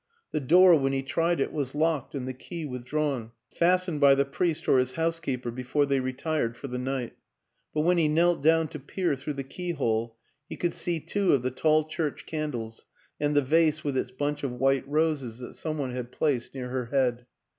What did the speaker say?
The door, when he tried it, was locked and the key withdrawn fastened by the priest or his housekeeper before they retired for the night ; but when he knelt down to peer through the keyhole he could see two of the tall church candles and the vase with its bunch of white roses that some one had placed near her head.